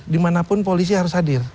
dimanapun polisi harus hadir